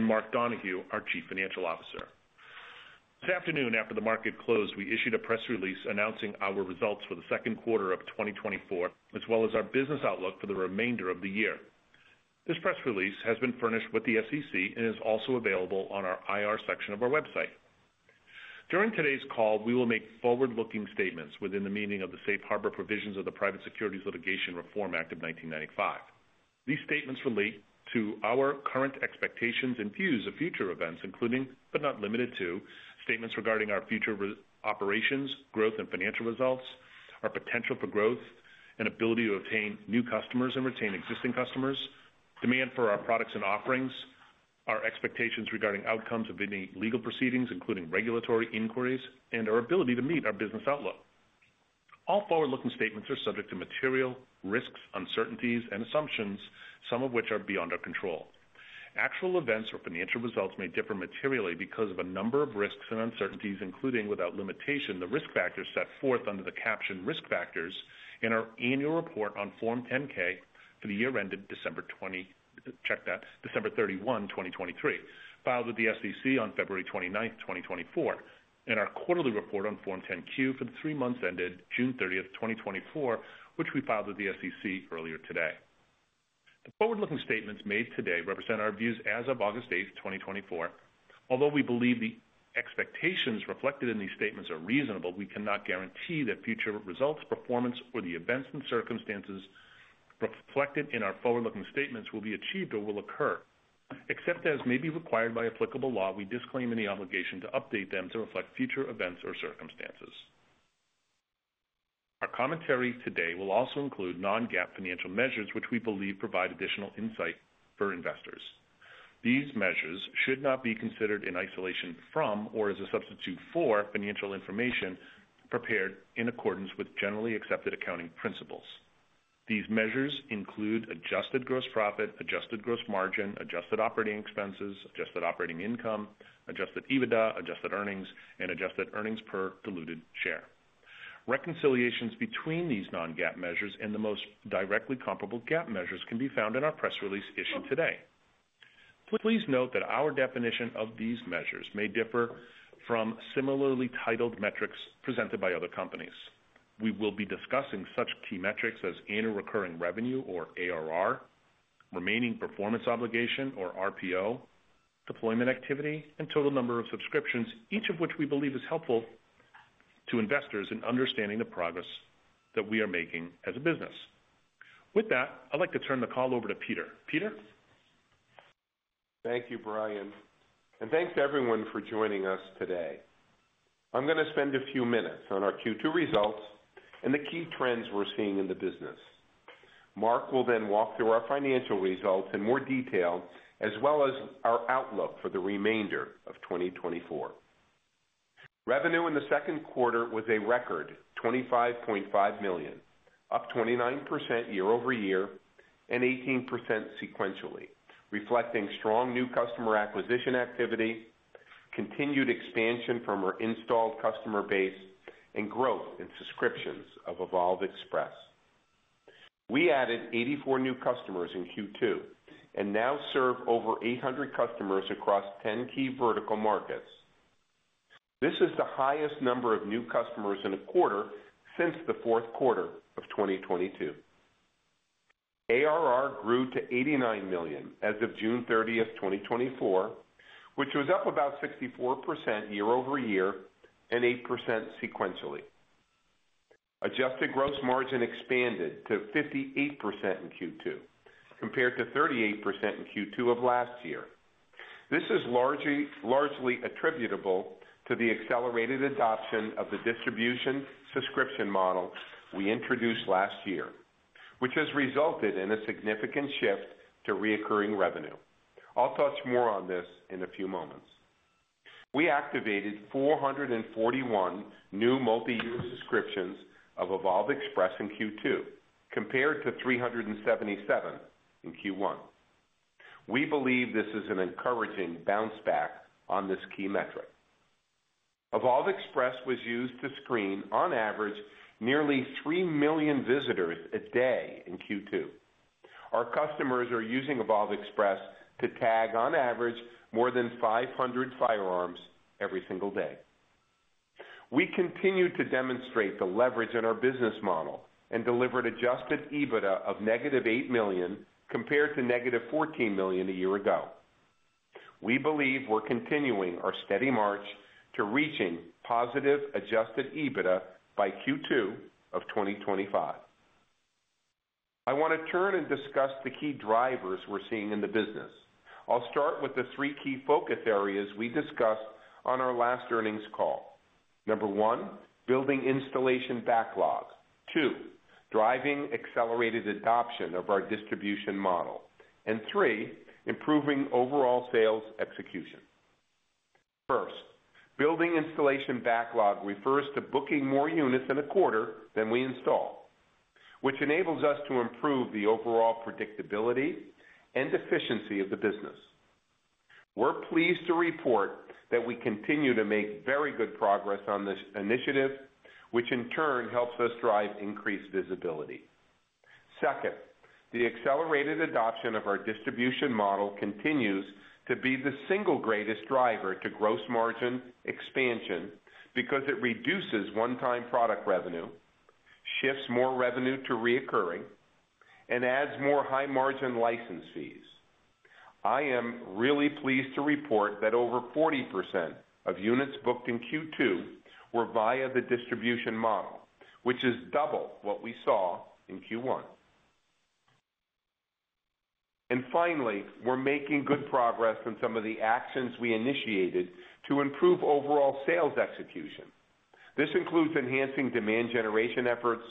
Mark Donohue, our Chief Financial Officer. This afternoon, after the market closed, we issued a press release announcing our results for the second quarter of 2024, as well as our business outlook for the remainder of the year. This press release has been furnished with the SEC and is also available on our IR section of our website. During today's call, we will make forward-looking statements within the meaning of the Safe Harbor Provisions of the Private Securities Litigation Reform Act of 1995. These statements relate to our current expectations and views of future events, including, but not limited to, statements regarding our future operations, growth and financial results, our potential for growth, and ability to obtain new customers and retain existing customers, demand for our products and offerings, our expectations regarding outcomes of any legal proceedings, including regulatory inquiries, and our ability to meet our business outlook. All forward-looking statements are subject to material risks, uncertainties, and assumptions, some of which are beyond our control. Actual events or financial results may differ materially because of a number of risks and uncertainties, including, without limitation, the risk factors set forth under the caption Risk Factors in our annual report on Form 10-K for the year ended December 20 -- check that, December 31, 2023, filed with the SEC on February 29, 2024, and our quarterly report on Form 10-Q for the three months ended June 30, 2024, which we filed with the SEC earlier today. The forward-looking statements made today represent our views as of August 8, 2024. Although we believe the expectations reflected in these statements are reasonable, we cannot guarantee that future results, performance, or the events and circumstances reflected in our forward-looking statements will be achieved or will occur. Except as may be required by applicable law, we disclaim any obligation to update them to reflect future events or circumstances. Our commentary today will also include non-GAAP financial measures, which we believe provide additional insight for investors. These measures should not be considered in isolation from or as a substitute for financial information prepared in accordance with Generally Accepted Accounting Principles. These measures include adjusted gross profit, adjusted gross margin, adjusted operating expenses, adjusted operating income, adjusted EBITDA, adjusted earnings, and adjusted earnings per diluted share. Reconciliations between these non-GAAP measures and the most directly comparable GAAP measures can be found in our press release issued today. Please note that our definition of these measures may differ from similarly titled metrics presented by other companies. We will be discussing such key metrics as annual recurring revenue or ARR, remaining performance obligation or RPO, deployment activity, and total number of subscriptions, each of which we believe is helpful to investors in understanding the progress that we are making as a business. With that, I'd like to turn the call over to Peter. Peter? Thank you, Brian, and thanks to everyone for joining us today. I'm gonna spend a few minutes on our Q2 results and the key trends we're seeing in the business. Mark will then walk through our financial results in more detail, as well as our outlook for the remainder of 2024. Revenue in the second quarter was a record $25.5 million, up 29% year-over-year and 18% sequentially, reflecting strong new customer acquisition activity, continued expansion from our installed customer base, and growth in subscriptions of Evolv Express. We added 84 new customers in Q2 and now serve over 800 customers across 10 key vertical markets. This is the highest number of new customers in a quarter since the fourth quarter of 2022. ARR grew to $89 million as of June 30, 2024, which was up about 64% year-over-year and 8% sequentially. Adjusted gross margin expanded to 58% in Q2, compared to 38% in Q2 of last year. This is largely attributable to the accelerated adoption of the distribution subscription model we introduced last year, which has resulted in a significant shift to recurring revenue. I'll touch more on this in a few moments. We activated 441 new multi-use subscriptions of Evolv Express in Q2, compared to 377 in Q1. We believe this is an encouraging bounce back on this key metric. Evolv Express was used to screen, on average, nearly 3 million visitors a day in Q2. Our customers are using Evolv Express to tag, on average, more than 500 firearms every single day. We continue to demonstrate the leverage in our business model and delivered Adjusted EBITDA of negative $8 million, compared to negative $14 million a year ago. We believe we're continuing our steady march to reaching positive Adjusted EBITDA by Q2 of 2025. I want to turn and discuss the key drivers we're seeing in the business. I'll start with the three key focus areas we discussed on our last earnings call. Number 1, building installation backlog. 2, driving accelerated adoption of our distribution model. And 3, improving overall sales execution. First, building installation backlog refers to booking more units in a quarter than we install, which enables us to improve the overall predictability and efficiency of the business. We're pleased to report that we continue to make very good progress on this initiative, which in turn helps us drive increased visibility.... Second, the accelerated adoption of our distribution model continues to be the single greatest driver to gross margin expansion because it reduces one-time product revenue, shifts more revenue to recurring, and adds more high margin license fees. I am really pleased to report that over 40% of units booked in Q2 were via the distribution model, which is double what we saw in Q1. Finally, we're making good progress on some of the actions we initiated to improve overall sales execution. This includes enhancing demand generation efforts,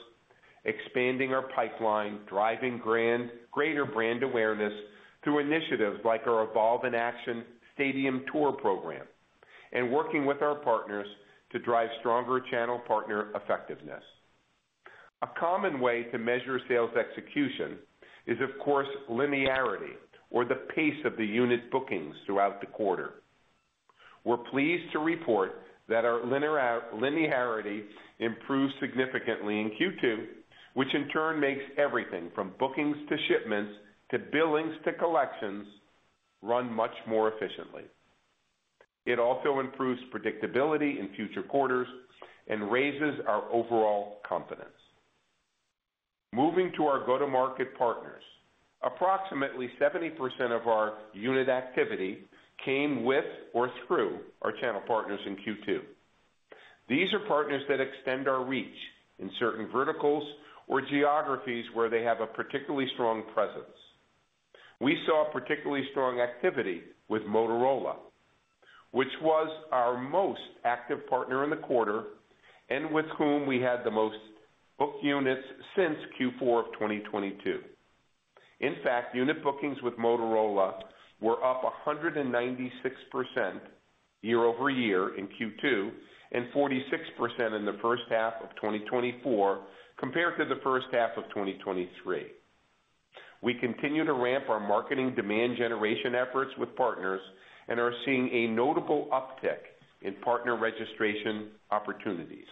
expanding our pipeline, driving greater brand awareness through initiatives like our Evolv in Action Stadium Tour program, and working with our partners to drive stronger channel partner effectiveness. A common way to measure sales execution is, of course, linearity or the pace of the unit bookings throughout the quarter. We're pleased to report that our linearity improved significantly in Q2, which in turn makes everything from bookings, to shipments, to billings, to collections, run much more efficiently. It also improves predictability in future quarters and raises our overall confidence. Moving to our go-to-market partners, approximately 70% of our unit activity came with or through our channel partners in Q2. These are partners that extend our reach in certain verticals or geographies where they have a particularly strong presence. We saw particularly strong activity with Motorola, which was our most active partner in the quarter and with whom we had the most booked units since Q4 of 2022. In fact, unit bookings with Motorola were up 196% year over year in Q2, and 46% in the first half of 2024, compared to the first half of 2023. We continue to ramp our marketing demand generation efforts with partners and are seeing a notable uptick in partner registration opportunities.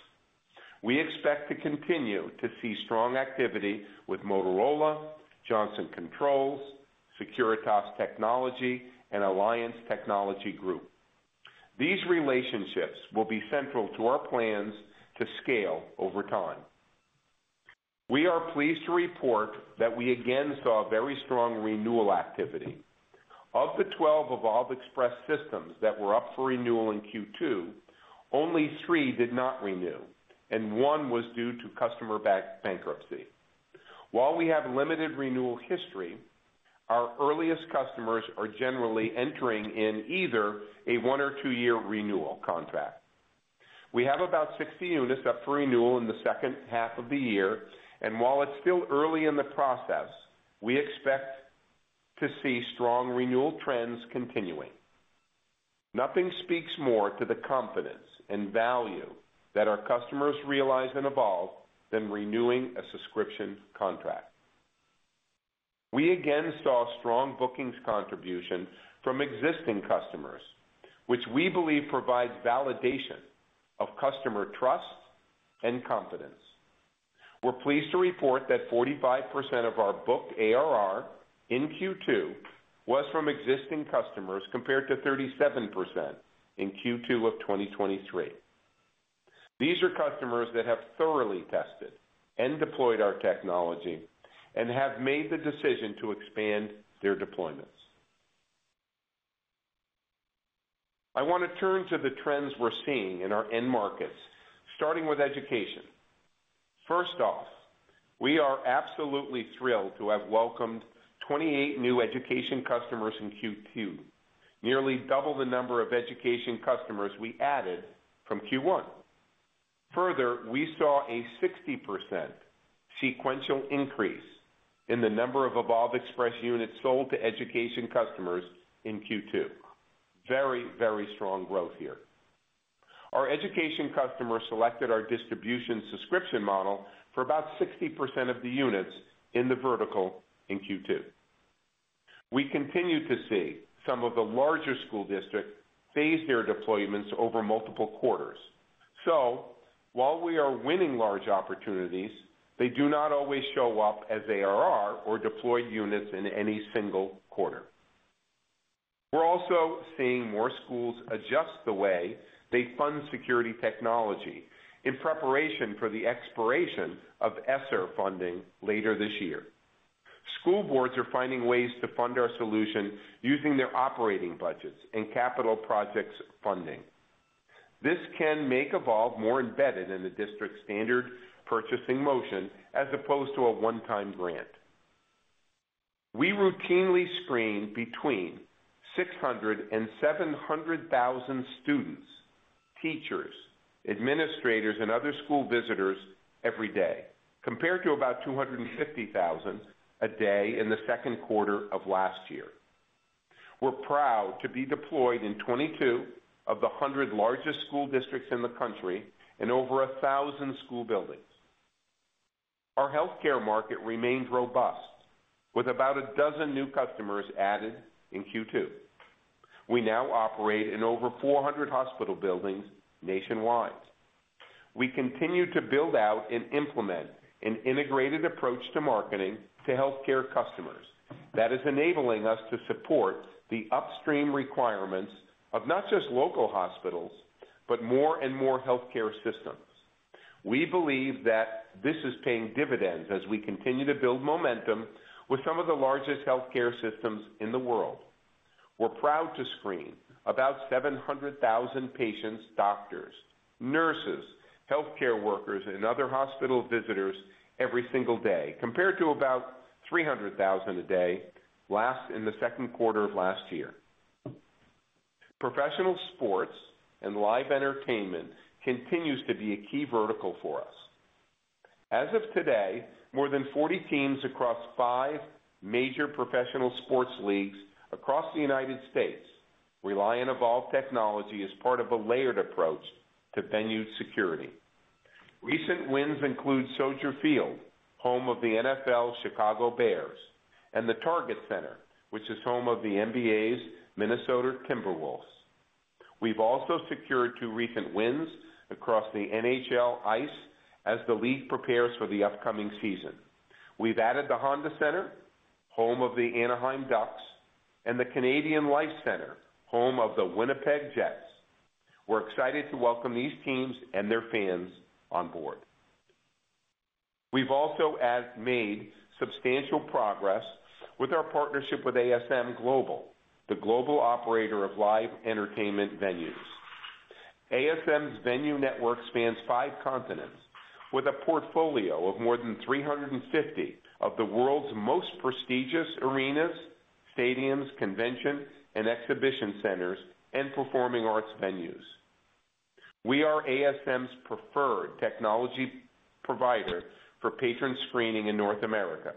We expect to continue to see strong activity with Motorola, Johnson Controls, Securitas Technology, and Alliance Technology Group. These relationships will be central to our plans to scale over time. We are pleased to report that we again saw very strong renewal activity. Of the 12 Evolv Express systems that were up for renewal in Q2, only 3 did not renew, and 1 was due to customer-backed bankruptcy. While we have limited renewal history, our earliest customers are generally entering in either a 1 or 2-year renewal contract. We have about 60 units up for renewal in the second half of the year, and while it's still early in the process, we expect to see strong renewal trends continuing. Nothing speaks more to the confidence and value that our customers realize in Evolv than renewing a subscription contract. We again saw strong bookings contribution from existing customers, which we believe provides validation of customer trust and confidence. We're pleased to report that 45% of our booked ARR in Q2 was from existing customers, compared to 37% in Q2 of 2023. These are customers that have thoroughly tested and deployed our technology and have made the decision to expand their deployments. I want to turn to the trends we're seeing in our end markets, starting with education. First off, we are absolutely thrilled to have welcomed 28 new education customers in Q2, nearly double the number of education customers we added from Q1. Further, we saw a 60% sequential increase in the number of Evolv Express units sold to education customers in Q2. Very, very strong growth here. Our education customers selected our distribution subscription model for about 60% of the units in the vertical in Q2. We continue to see some of the larger school districts phase their deployments over multiple quarters. So while we are winning large opportunities, they do not always show up as ARR or deployed units in any single quarter. We're also seeing more schools adjust the way they fund security technology in preparation for the expiration of ESSER funding later this year. School boards are finding ways to fund our solution using their operating budgets and capital projects funding. This can make Evolv more embedded in the district's standard purchasing motion as opposed to a one-time grant. We routinely screen between 600,000 and 700,000 students, teachers, administrators, and other school visitors every day, compared to about 250,000 a day in the second quarter of last year. We're proud to be deployed in 22 of the 100 largest school districts in the country and over 1,000 school buildings. Our healthcare market remains robust, with about a dozen new customers added in Q2. We now operate in over 400 hospital buildings nationwide. We continue to build out and implement an integrated approach to marketing to healthcare customers that is enabling us to support the upstream requirements of not just local hospitals, but more and more healthcare systems. We believe that this is paying dividends as we continue to build momentum with some of the largest healthcare systems in the world. We're proud to screen about 700,000 patients, doctors, nurses, healthcare workers, and other hospital visitors every single day, compared to about 300,000 a day last, in the second quarter of last year. Professional sports and live entertainment continues to be a key vertical for us. As of today, more than 40 teams across five major professional sports leagues across the United States rely on Evolv Technology as part of a layered approach to venue security. Recent wins include Soldier Field, home of the NFL's Chicago Bears, and the Target Center, which is home of the NBA's Minnesota Timberwolves. We've also secured two recent wins across the NHL ice as the league prepares for the upcoming season. We've added the Honda Center, home of the Anaheim Ducks, and the Canada Life Centre, home of the Winnipeg Jets. We're excited to welcome these teams and their fans on board. We've also made substantial progress with our partnership with ASM Global, the global operator of live entertainment venues. ASM's venue network spans 5 continents, with a portfolio of more than 350 of the world's most prestigious arenas, stadiums, convention and exhibition centers, and performing arts venues. We are ASM's preferred technology provider for patron screening in North America.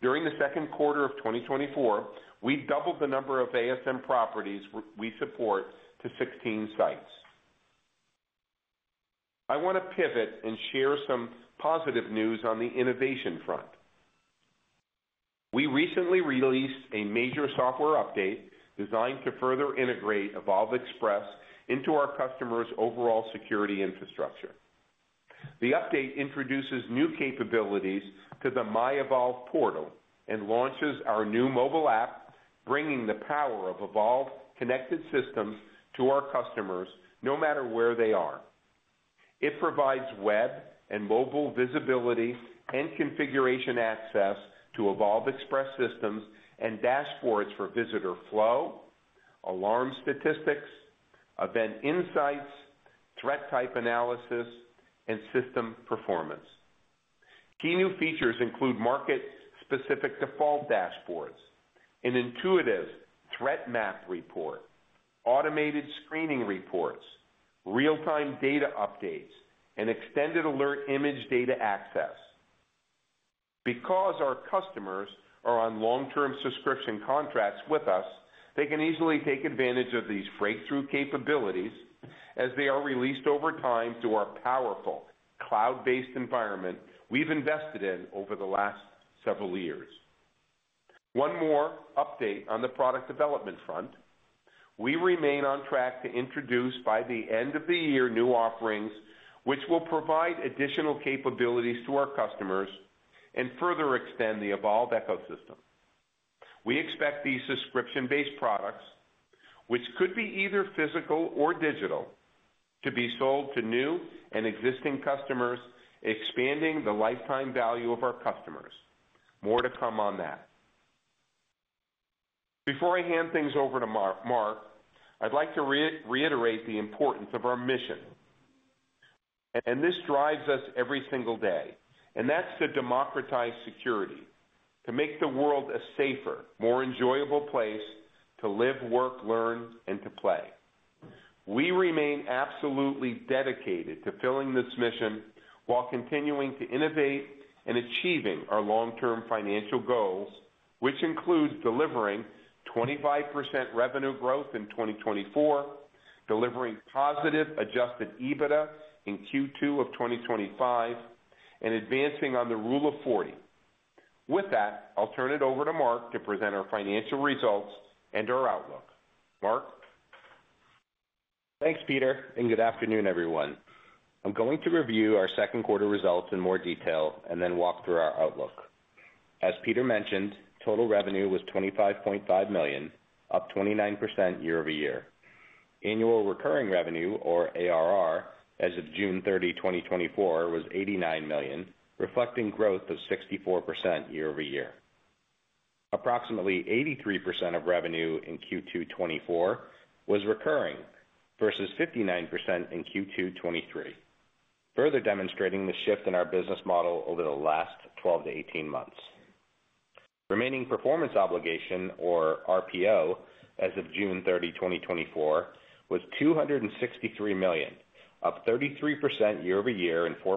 During the second quarter of 2024, we doubled the number of ASM properties we support to 16 sites. I want to pivot and share some positive news on the innovation front. We recently released a major software update designed to further integrate Evolv Express into our customers' overall security infrastructure. The update introduces new capabilities to the MyEvolv portal and launches our new mobile app, bringing the power of Evolv connected systems to our customers, no matter where they are. It provides web and mobile visibility and configuration access to Evolv Express systems and dashboards for visitor flow, alarm statistics, event insights, threat type analysis, and system performance. Key new features include market-specific default dashboards, an intuitive threat map report, automated screening reports, real-time data updates, and extended alert image data access. Because our customers are on long-term subscription contracts with us, they can easily take advantage of these breakthrough capabilities as they are released over time through our powerful cloud-based environment we've invested in over the last several years. One more update on the product development front. We remain on track to introduce, by the end of the year, new offerings, which will provide additional capabilities to our customers and further extend the Evolv ecosystem. We expect these subscription-based products, which could be either physical or digital, to be sold to new and existing customers, expanding the lifetime value of our customers. More to come on that. Before I hand things over to Mark, I'd like to reiterate the importance of our mission, and this drives us every single day, and that's to democratize security, to make the world a safer, more enjoyable place to live, work, learn, and to play. We remain absolutely dedicated to fulfilling this mission while continuing to innovate and achieving our long-term financial goals, which includes delivering 25% revenue growth in 2024, delivering positive Adjusted EBITDA in Q2 of 2025, and advancing on the Rule of 40. With that, I'll turn it over to Mark to present our financial results and our outlook. Mark? Thanks, Peter, and good afternoon, everyone. I'm going to review our second quarter results in more detail and then walk through our outlook. As Peter mentioned, total revenue was $25.5 million, up 29% year-over-year. Annual recurring revenue, or ARR, as of June 30, 2024, was $89 million, reflecting growth of 64% year-over-year. Approximately 83% of revenue in Q2 2024 was recurring, versus 59% in Q2 2023, further demonstrating the shift in our business model over the last 12 to 18 months. Remaining performance obligation, or RPO, as of June 30, 2024, was $263 million, up 33% year-over-year and 4%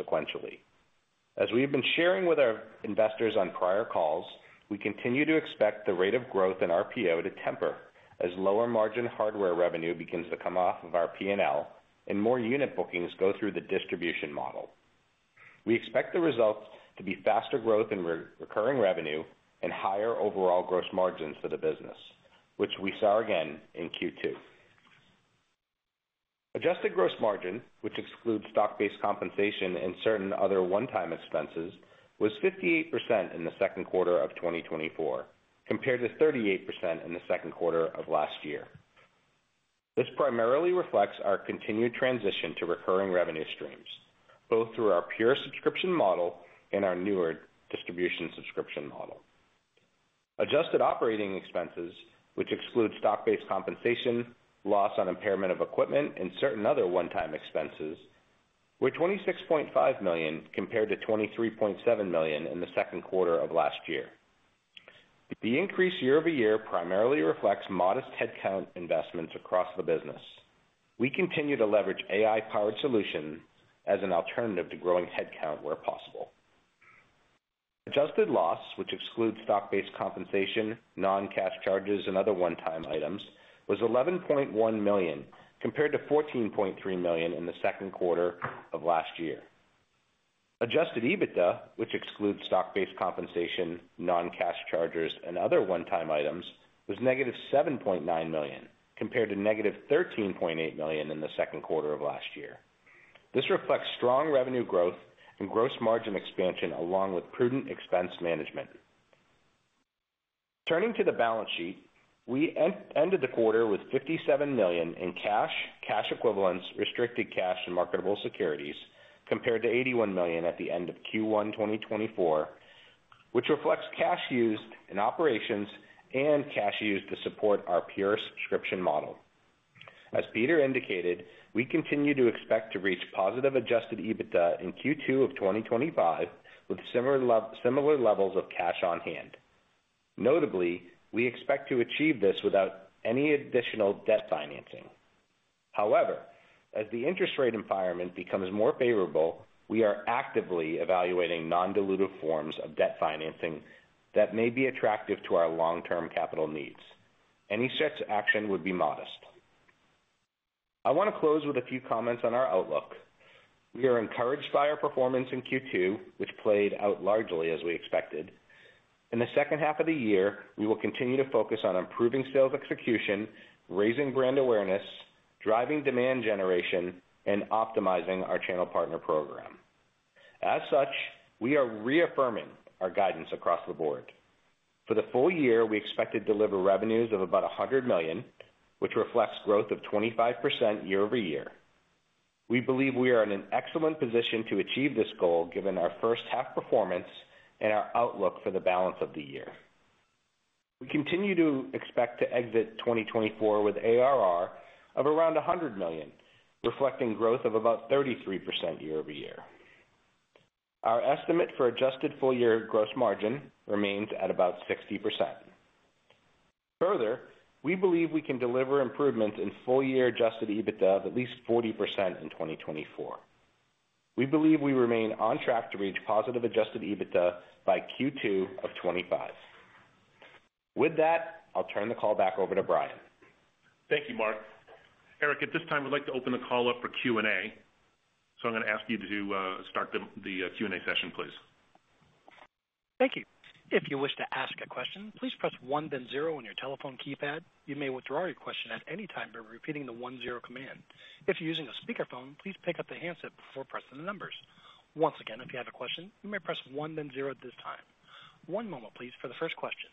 sequentially. As we have been sharing with our investors on prior calls, we continue to expect the rate of growth in RPO to temper as lower-margin hardware revenue begins to come off of our P&L and more unit bookings go through the distribution model. We expect the results to be faster growth in recurring revenue and higher overall gross margins for the business, which we saw again in Q2. Adjusted gross margin, which excludes stock-based compensation and certain other one-time expenses, was 58% in the second quarter of 2024, compared to 38% in the second quarter of last year. This primarily reflects our continued transition to recurring revenue streams, both through our pure subscription model and our newer distribution subscription model. Adjusted operating expenses, which exclude stock-based compensation, loss on impairment of equipment, and certain other one-time expenses, were $26.5 million, compared to $23.7 million in the second quarter of last year. The increase year-over-year primarily reflects modest headcount investments across the business. We continue to leverage AI-powered solutions as an alternative to growing headcount where possible. Adjusted loss, which excludes stock-based compensation, non-cash charges, and other one-time items, was $11.1 million, compared to $14.3 million in the second quarter of last year. Adjusted EBITDA, which excludes stock-based compensation, non-cash charges, and other one-time items, was -$7.9 million, compared to -$13.8 million in the second quarter of last year. This reflects strong revenue growth and gross margin expansion, along with prudent expense management. Turning to the balance sheet, we ended the quarter with $57 million in cash, cash equivalents, restricted cash, and marketable securities, compared to $81 million at the end of Q1 2024, which reflects cash used in operations and cash used to support our pure subscription model. As Peter indicated, we continue to expect to reach positive Adjusted EBITDA in Q2 of 2025, with similar levels of cash on hand. Notably, we expect to achieve this without any additional debt financing. However, as the interest rate environment becomes more favorable, we are actively evaluating non-dilutive forms of debt financing that may be attractive to our long-term capital needs. Any such action would be modest. I want to close with a few comments on our outlook. We are encouraged by our performance in Q2, which played out largely as we expected. In the second half of the year, we will continue to focus on improving sales execution, raising brand awareness, driving demand generation, and optimizing our channel partner program. As such, we are reaffirming our guidance across the board. For the full year, we expect to deliver revenues of about $100 million, which reflects growth of 25% year-over-year. We believe we are in an excellent position to achieve this goal, given our first half performance and our outlook for the balance of the year. We continue to expect to exit 2024 with ARR of around $100 million, reflecting growth of about 33% year-over-year. Our estimate for adjusted full year gross margin remains at about 60%. Further, we believe we can deliver improvements in full year adjusted EBITDA of at least 40% in 2024. We believe we remain on track to reach positive Adjusted EBITDA by Q2 of 2025. With that, I'll turn the call back over to Brian. Thank you, Mark. Eric, at this time, we'd like to open the call up for Q&A. So I'm gonna ask you to start the Q&A session, please. Thank you. If you wish to ask a question, please press one, then zero on your telephone keypad. You may withdraw your question at any time by repeating the one-zero command. If you're using a speakerphone, please pick up the handset before pressing the numbers. Once again, if you have a question, you may press one, then zero at this time. One moment, please, for the first question.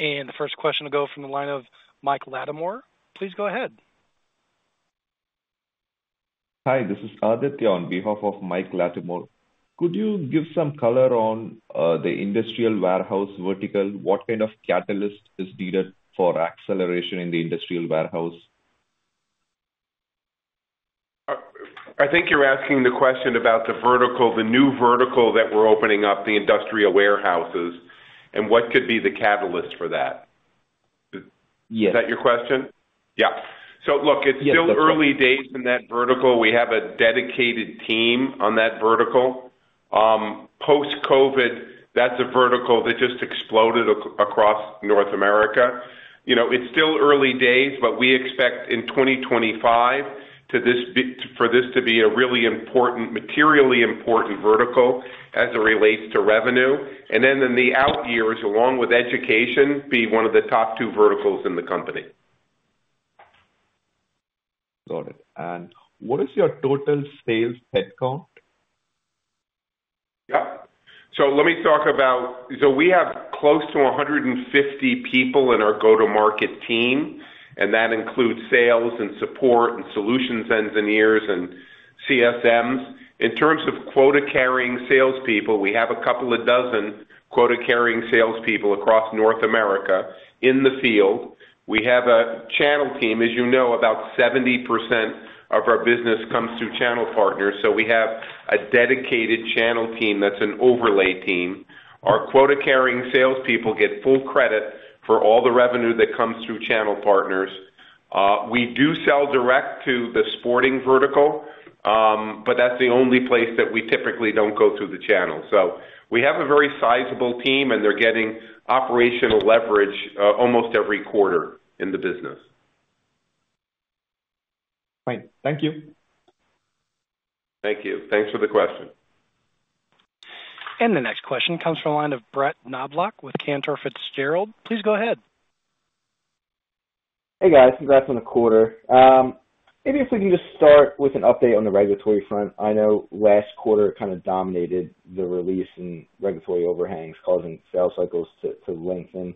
And the first question will go from the line of Mike Latimore. Please go ahead. Hi, this is Aditya, on behalf of Mike Latimore. Could you give some color on the industrial warehouse vertical? What kind of catalyst is needed for acceleration in the industrial warehouse? I think you're asking the question about the vertical, the new vertical that we're opening up, the industrial warehouses, and what could be the catalyst for that. Yes. Is that your question? Yeah. So look- Yes. It's still early days in that vertical. We have a dedicated team on that vertical. Post-COVID, that's a vertical that just exploded across North America. You know, it's still early days, but we expect in 2025 for this to be a really important, materially important vertical as it relates to revenue. And then in the out years, along with education, be one of the top two verticals in the company. Got it. And what is your total sales headcount? Yeah. So let me talk about... So we have close to 150 people in our go-to-market team, and that includes sales and support and solutions engineers and CSMs. In terms of quota-carrying salespeople, we have a couple of dozen quota-carrying salespeople across North America in the field. We have a channel team. As you know, about 70% of our business comes through channel partners, so we have a dedicated channel team that's an overlay team. Our quota-carrying salespeople get full credit for all the revenue that comes through channel partners.... we do sell direct to the sporting vertical, but that's the only place that we typically don't go through the channel. So we have a very sizable team, and they're getting operational leverage, almost every quarter in the business. Great. Thank you. Thank you. Thanks for the question. The next question comes from the line of Brett Knoblauch with Cantor Fitzgerald. Please go ahead. Hey, guys, congrats on the quarter. Maybe if we can just start with an update on the regulatory front. I know last quarter kind of dominated the release and regulatory overhangs, causing sales cycles to lengthen.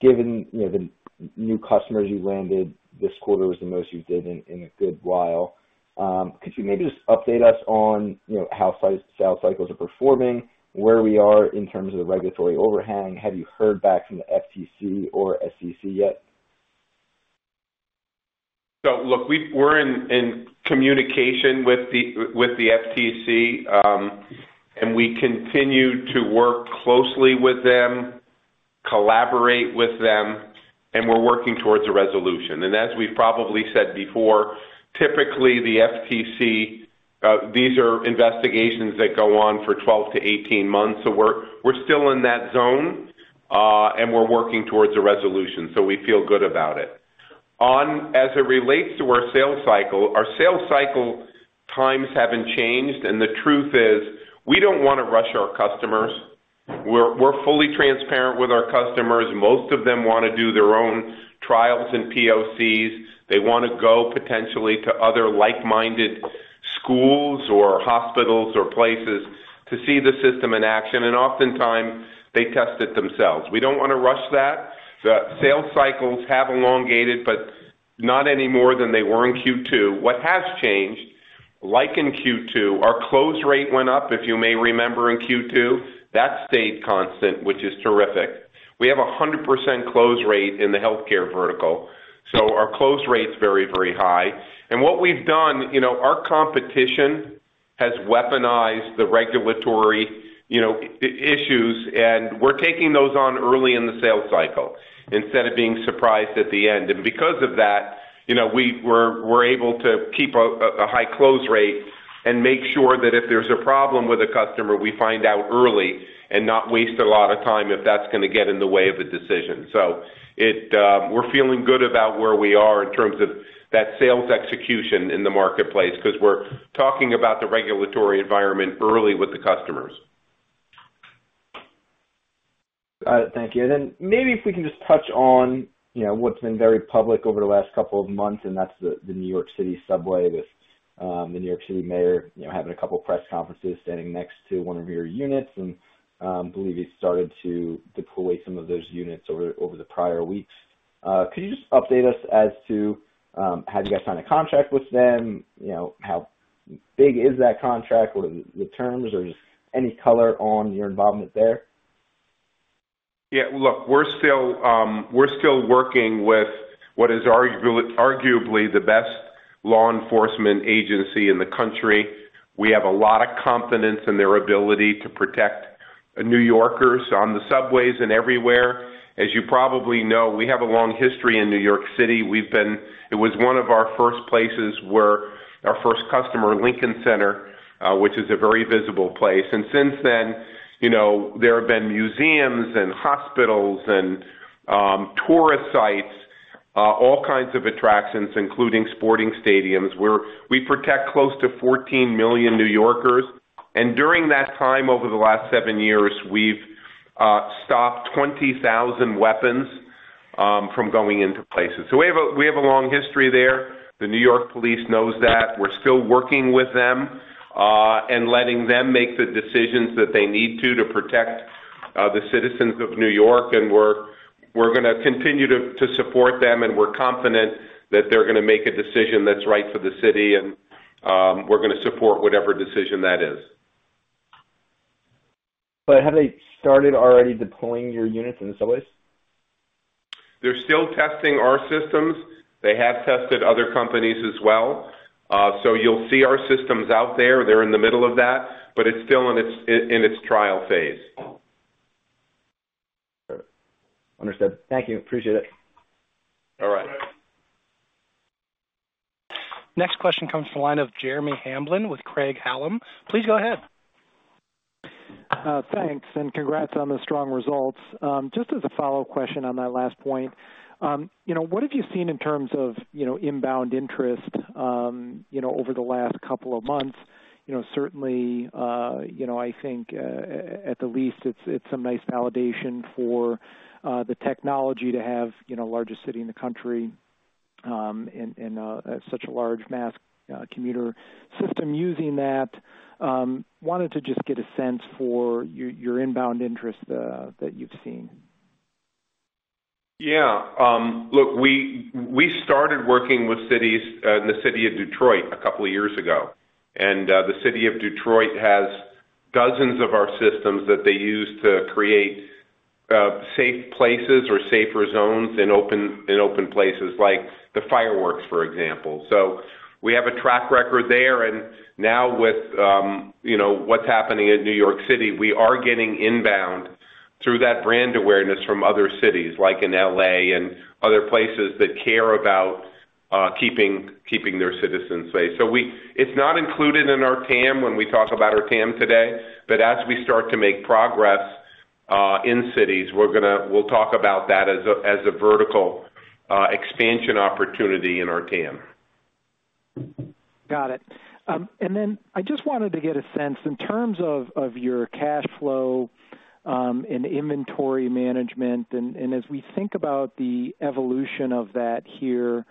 Given, you know, the new customers you landed this quarter was the most you did in a good while. Could you maybe just update us on, you know, how sales cycles are performing, where we are in terms of the regulatory overhang? Have you heard back from the FTC or SEC yet? So look, we're in communication with the FTC, and we continue to work closely with them, collaborate with them, and we're working towards a resolution. And as we've probably said before, typically the FTC, these are investigations that go on for 12-18 months. So we're still in that zone, and we're working towards a resolution, so we feel good about it. On as it relates to our sales cycle, our sales cycle times haven't changed, and the truth is, we don't wanna rush our customers. We're fully transparent with our customers. Most of them wanna do their own trials and POCs. They wanna go potentially to other like-minded schools or hospitals or places to see the system in action, and oftentimes they test it themselves. We don't wanna rush that. The sales cycles have elongated, but not any more than they were in Q2. What has changed, like in Q2, our close rate went up, if you may remember, in Q2. That stayed constant, which is terrific. We have a 100% close rate in the healthcare vertical, so our close rate's very, very high. And what we've done, you know, our competition has weaponized the regulatory, you know, issues, and we're taking those on early in the sales cycle instead of being surprised at the end. And because of that, you know, we're able to keep a high close rate and make sure that if there's a problem with a customer, we find out early and not waste a lot of time, if that's gonna get in the way of the decision. So it... We're feeling good about where we are in terms of that sales execution in the marketplace, 'cause we're talking about the regulatory environment early with the customers. Thank you. Then maybe if we can just touch on, you know, what's been very public over the last couple of months, and that's the New York City Subway with the New York City mayor, you know, having a couple press conferences standing next to one of your units, and believe he started to deploy some of those units over the prior weeks. Could you just update us as to have you guys signed a contract with them? You know, how big is that contract or the terms, or just any color on your involvement there? Yeah, look, we're still, we're still working with what is arguably the best law enforcement agency in the country. We have a lot of confidence in their ability to protect New Yorkers on the subways and everywhere. As you probably know, we have a long history in New York City. We've been. It was one of our first places where our first customer, Lincoln Center, which is a very visible place. And since then, you know, there have been museums and hospitals and, tourist sites, all kinds of attractions, including sporting stadiums, where we protect close to 14 million New Yorkers. And during that time, over the last seven years, we've stopped 20,000 weapons from going into places. So we have a, we have a long history there. The New York Police knows that. We're still working with them, and letting them make the decisions that they need to, to protect the citizens of New York, and we're gonna continue to support them, and we're confident that they're gonna make a decision that's right for the city, and we're gonna support whatever decision that is. Have they started already deploying your units in the subways? They're still testing our systems. They have tested other companies as well. So you'll see our systems out there. They're in the middle of that, but it's still in its trial phase. Understood. Thank you. Appreciate it. All right. Next question comes from the line of Jeremy Hamblin with Craig-Hallum. Please go ahead. Thanks, and congrats on the strong results. Just as a follow-up question on that last point, you know, what have you seen in terms of, you know, inbound interest, you know, over the last couple of months? You know, certainly, you know, I think, at the least, it's a nice validation for, the technology to have, you know, largest city in the country, and, such a large mass commuter system using that. Wanted to just get a sense for your inbound interest, that you've seen. Yeah. Look, we, we started working with cities in the city of Detroit a couple of years ago, and the city of Detroit has dozens of our systems that they use to create safe places or safer zones in open, in open places like the fireworks, for example. So we have a track record there, and now with, you know, what's happening in New York City, we are getting inbound-... through that brand awareness from other cities, like in L.A. and other places that care about keeping their citizens safe. So it's not included in our TAM when we talk about our TAM today, but as we start to make progress in cities, we're gonna, we'll talk about that as a vertical expansion opportunity in our TAM. Got it. And then I just wanted to get a sense, in terms of your cash flow, and inventory management, and as we think about the evolution of that here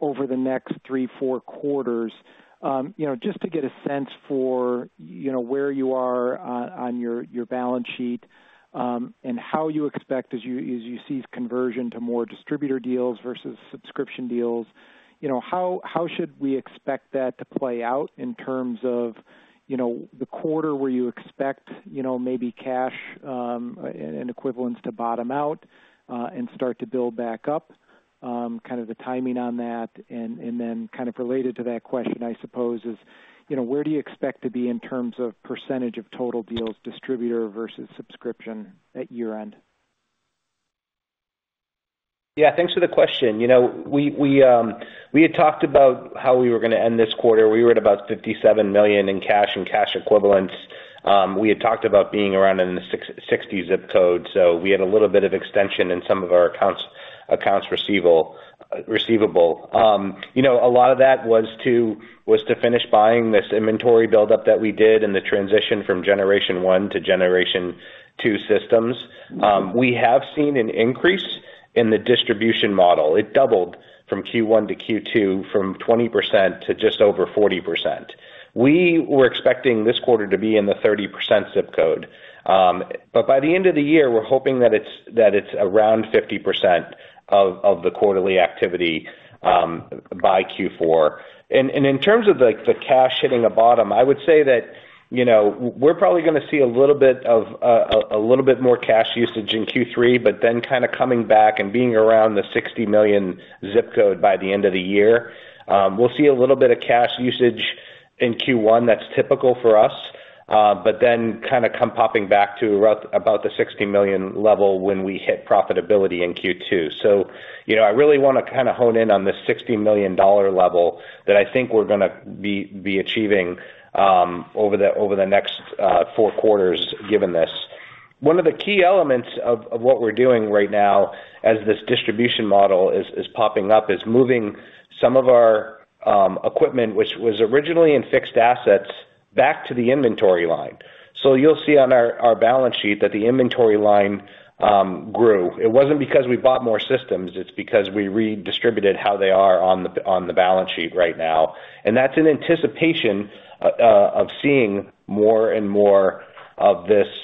over the next three, four quarters, you know, just to get a sense for, you know, where you are on your balance sheet, and how you expect as you see conversion to more distributor deals versus subscription deals, you know, how should we expect that to play out in terms of, you know, the quarter where you expect, you know, maybe cash, and equivalents to bottom out, and start to build back up, kind of the timing on that? And then kind of related to that question, I suppose, is, you know, where do you expect to be in terms of percentage of total deals, distributor versus subscription at year-end? Yeah, thanks for the question. You know, we had talked about how we were gonna end this quarter. We were at about $57 million in cash and cash equivalents. We had talked about being around in the sixty zip code, so we had a little bit of extension in some of our accounts receivable. You know, a lot of that was to finish buying this inventory buildup that we did in the transition from generation one to generation two systems. We have seen an increase in the distribution model. It doubled from Q1 to Q2, from 20% to just over 40%. We were expecting this quarter to be in the 30% zip code. But by the end of the year, we're hoping that it's, that it's around 50% of the quarterly activity by Q4. And in terms of, like, the cash hitting the bottom, I would say that, you know, we're probably gonna see a little bit of a little bit more cash usage in Q3, but then kind of coming back and being around the $60 million zip code by the end of the year. We'll see a little bit of cash usage in Q1, that's typical for us, but then kind of come popping back to about the $60 million level when we hit profitability in Q2. So, you know, I really wanna kind of hone in on this $60 million level that I think we're gonna be achieving over the next four quarters, given this. One of the key elements of what we're doing right now, as this distribution model is popping up, is moving some of our equipment, which was originally in fixed assets, back to the inventory line. So you'll see on our balance sheet that the inventory line grew. It wasn't because we bought more systems, it's because we redistributed how they are on the balance sheet right now, and that's in anticipation of seeing more and more of this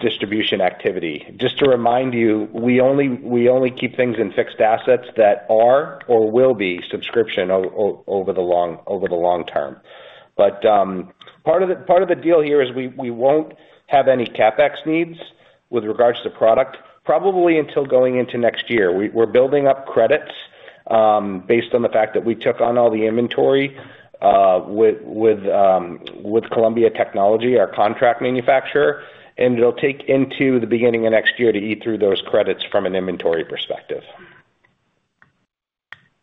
distribution activity. Just to remind you, we only keep things in fixed assets that are or will be subscription over the long term. But part of the deal here is we won't have any CapEx needs with regards to product, probably until going into next year. We're building up credits based on the fact that we took on all the inventory with Columbia Tech, our contract manufacturer, and it'll take into the beginning of next year to eat through those credits from an inventory perspective.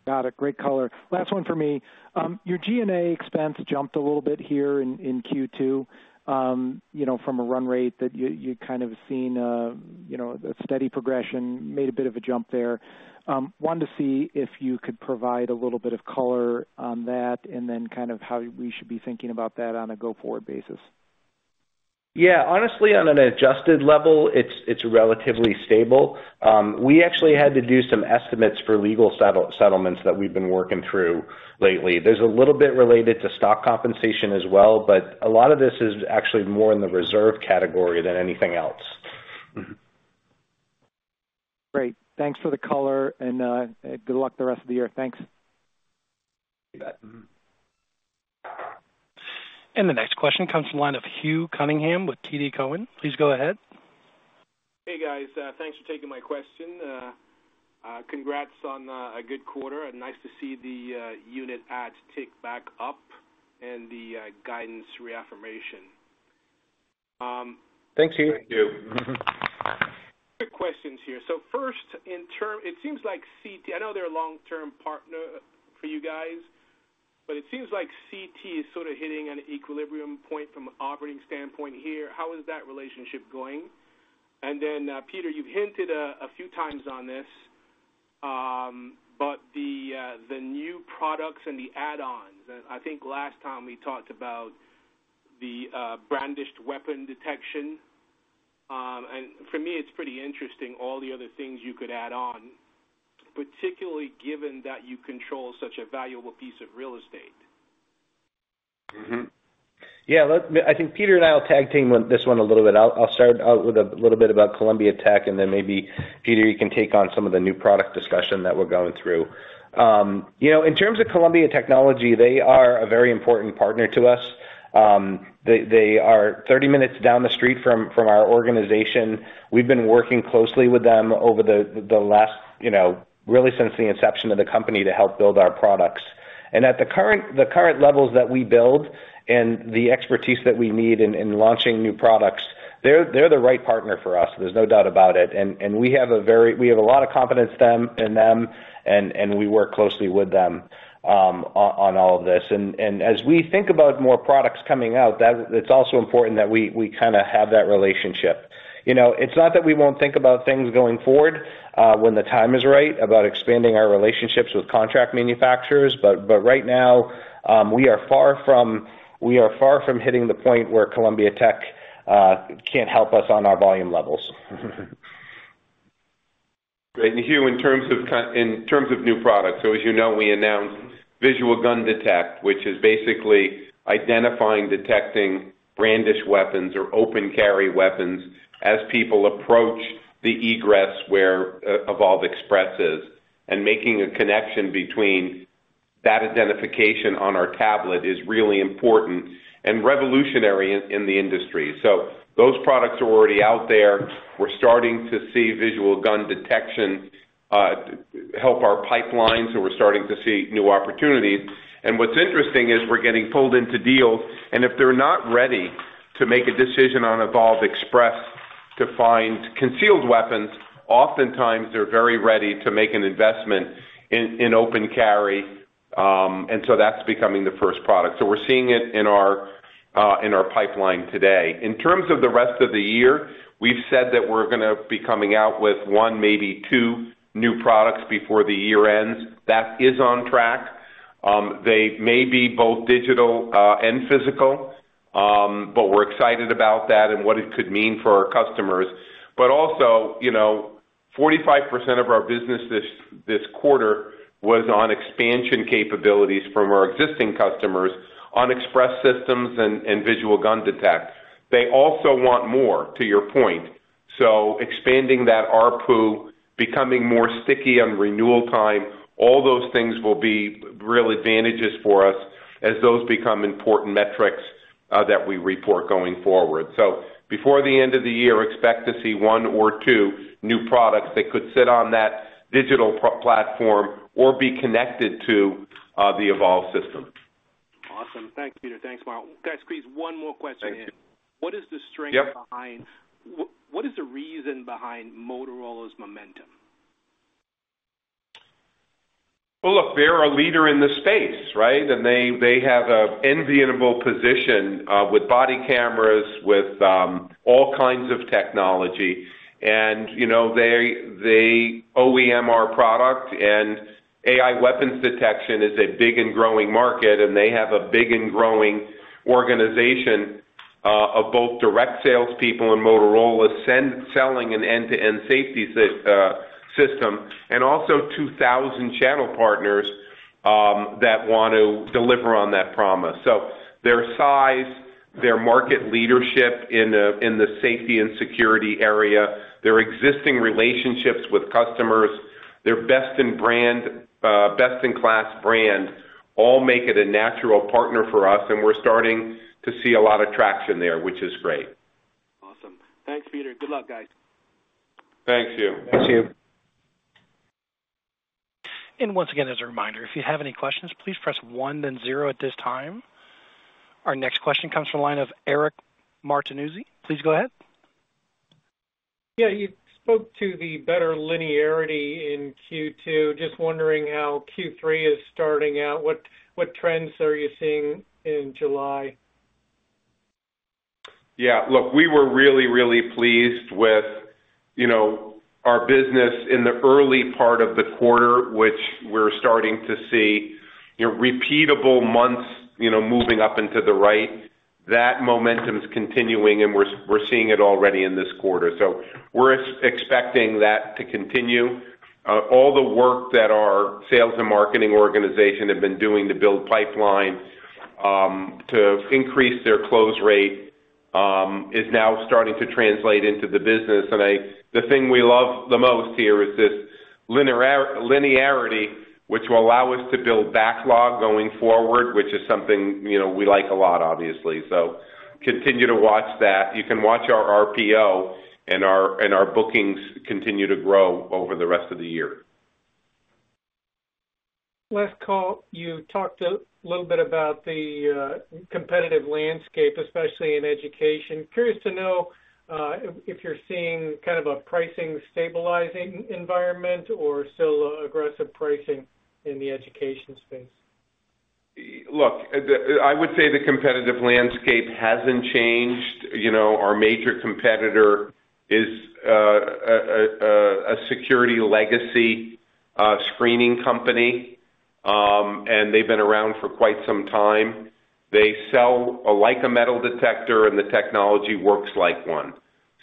Got it. Great color. Last one for me. Your G&A expense jumped a little bit here in, in Q2. You know, from a run rate that you, you'd kind of seen, a steady progression, made a bit of a jump there. Wanted to see if you could provide a little bit of color on that, and then kind of how we should be thinking about that on a go-forward basis. Yeah, honestly, on an adjusted level, it's, it's relatively stable. We actually had to do some estimates for legal settlements that we've been working through lately. There's a little bit related to stock compensation as well, but a lot of this is actually more in the reserve category than anything else. Great. Thanks for the color, and good luck the rest of the year. Thanks. You bet. Mm-hmm. The next question comes from the line of Hugh Cunningham with TD Cowen. Please go ahead. Hey, guys, thanks for taking my question. Congrats on a good quarter, and nice to see the unit ads tick back up and the guidance reaffirmation. Thanks, Hugh. Thank you. Quick questions here. So first, in terms it seems like CT. I know they're a long-term partner for you guys, but it seems like CT is sort of hitting an equilibrium point from an operating standpoint here. How is that relationship going? And then, Peter, you've hinted a few times on this, but the new products and the add-ons, and I think last time we talked about the brandished weapon detection. And for me, it's pretty interesting, all the other things you could add on, particularly given that you control such a valuable piece of real estate. Mm-hmm. Yeah, I think Peter and I will tag team with this one a little bit. I'll start out with a little bit about Columbia Tech, and then maybe Peter, you can take on some of the new product discussion that we're going through. You know, in terms of Columbia Tech, they are a very important partner to us. They are 30 minutes down the street from our organization. We've been working closely with them over the last, you know, really since the inception of the company, to help build our products. And at the current levels that we build and the expertise that we need in launching new products, they're the right partner for us. There's no doubt about it. We have a lot of confidence in them, and we work closely with them on all of this. And as we think about more products coming out, it's also important that we kinda have that relationship. You know, it's not that we won't think about things going forward, when the time is right, about expanding our relationships with contract manufacturers, but right now, we are far from hitting the point where Columbia Tech can't help us on our volume levels. Great. And Hugh, in terms of new products, so as you know, we announced Visual Gun Detection, which is basically identifying, detecting brandished weapons or open carry weapons as people approach the egress where Evolv Express is, and making a connection between that identification on our tablet is really important and revolutionary in the industry. So those products are already out there. We're starting to see Visual Gun Detection help our pipeline, so we're starting to see new opportunities. And what's interesting is we're getting pulled into deals, and if they're not ready to make a decision on Evolv Express to find concealed weapons, oftentimes they're very ready to make an investment in open carry, and so that's becoming the first product. So we're seeing it in our pipeline today. In terms of the rest of the year, we've said that we're gonna be coming out with one, maybe two new products before the year ends. That is on track. They may be both digital and physical, but we're excited about that and what it could mean for our customers. But also, you know, 45% of our business this quarter was on expansion capabilities from our existing customers on Express systems and Visual Gun Detection. They also want more, to your point. So expanding that ARPU, becoming more sticky on renewal time, all those things will be real advantages for us as those become important metrics that we report going forward. So before the end of the year, expect to see one or two new products that could sit on that digital platform or be connected to the Evolv system. Awesome. Thanks, Peter. Thanks, Mark. Guys, please, one more question? Thank you. What is the strength- Yep. What is the reason behind Motorola's momentum? Well, look, they're a leader in the space, right? And they have an enviable position with body cameras, with all kinds of technology. And, you know, they OEM our product and AI weapons detection is a big and growing market, and they have a big and growing organization of both direct salespeople and Motorola selling an end-to-end safety system, and also 2,000 channel partners that want to deliver on that promise. So their size, their market leadership in the safety and security area, their existing relationships with customers, their best-in-class brand all make it a natural partner for us, and we're starting to see a lot of traction there, which is great. Awesome. Thanks, Peter. Good luck, guys. Thank you. Thank you. Once again, as a reminder, if you have any questions, please press one then zero at this time. Our next question comes from the line of Eric Martinuzzi. Please go ahead. Yeah, you spoke to the better linearity in Q2. Just wondering how Q3 is starting out. What trends are you seeing in July? Yeah, look, we were really, really pleased with, you know, our business in the early part of the quarter, which we're starting to see, you know, repeatable months, you know, moving up into the right. That momentum is continuing, and we're seeing it already in this quarter. So we're expecting that to continue. All the work that our sales and marketing organization have been doing to build pipeline, to increase their close rate, is now starting to translate into the business. And the thing we love the most here is this linearity, which will allow us to build backlog going forward, which is something, you know, we like a lot, obviously. So continue to watch that. You can watch our RPO and our bookings continue to grow over the rest of the year. Last call, you talked a little bit about the competitive landscape, especially in education. Curious to know if you're seeing kind of a pricing stabilizing environment or still aggressive pricing in the education space? Look, I would say the competitive landscape hasn't changed. You know, our major competitor is a security legacy screening company, and they've been around for quite some time. They sell like a metal detector, and the technology works like one.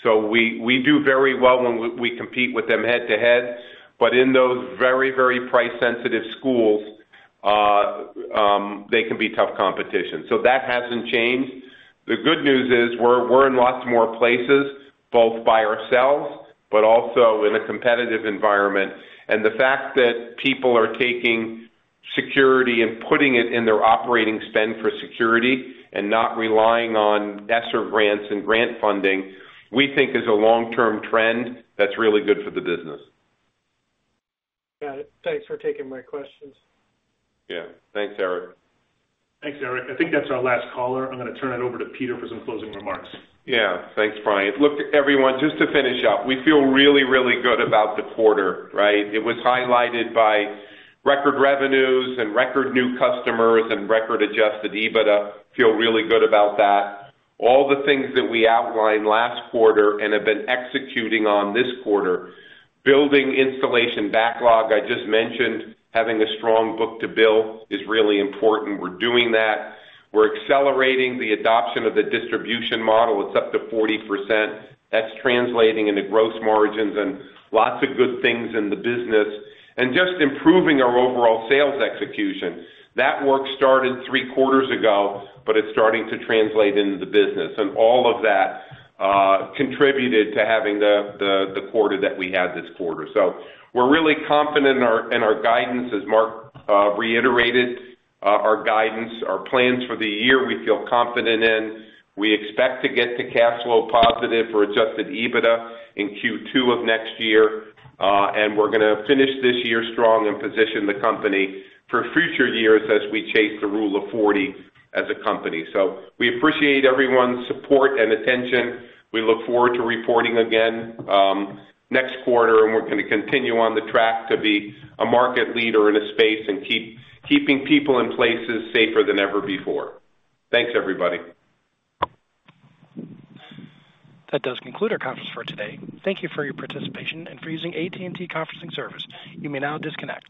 So we do very well when we compete with them head-to-head, but in those very, very price-sensitive schools, they can be tough competition. So that hasn't changed. The good news is, we're in lots more places, both by ourselves, but also in a competitive environment. And the fact that people are taking security and putting it in their operating spend for security and not relying on ESSER grants and grant funding, we think is a long-term trend that's really good for the business. Got it. Thanks for taking my questions. Yeah. Thanks, Eric. Thanks, Eric. I think that's our last caller. I'm gonna turn it over to Peter for some closing remarks. Yeah. Thanks, Brian. Look, everyone, just to finish up, we feel really, really good about the quarter, right? It was highlighted by record revenues and record new customers and record Adjusted EBITDA. Feel really good about that. All the things that we outlined last quarter and have been executing on this quarter, building installation backlog, I just mentioned, having a strong book to build is really important. We're doing that. We're accelerating the adoption of the distribution model. It's up to 40%. That's translating into gross margins and lots of good things in the business and just improving our overall sales execution. That work started three quarters ago, but it's starting to translate into the business, and all of that contributed to having the quarter that we had this quarter. So we're really confident in our guidance. As Mark reiterated, our guidance, our plans for the year, we feel confident in. We expect to get to cash flow positive or Adjusted EBITDA in Q2 of next year, and we're gonna finish this year strong and position the company for future years as we chase the Rule of 40 as a company. So we appreciate everyone's support and attention. We look forward to reporting again, next quarter, and we're gonna continue on the track to be a market leader in this space and keeping people and places safer than ever before. Thanks, everybody. That does conclude our conference for today. Thank you for your participation and for using AT&T conferencing service. You may now disconnect.